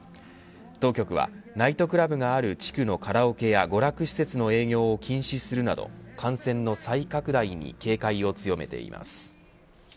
当局はナイトクラブがある地区のカラオケや娯楽施設の営業を禁止するなど感染の再拡大に警戒を強めています。